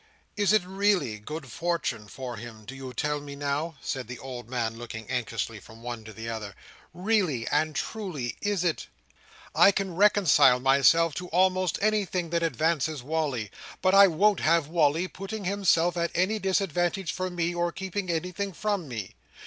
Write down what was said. Is it really good fortune for him, do you tell me, now?" said the old man, looking anxiously from one to the other. "Really and truly? Is it? I can reconcile myself to almost anything that advances Wally, but I won't have Wally putting himself at any disadvantage for me, or keeping anything from me.